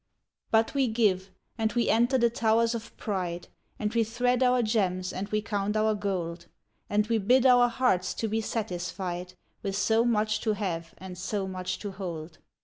But we give ; and we enter the towers of pride, And we thread our gems and we count our gold ; And we bid our hearts to be satisfied With so much to have and so much to hold.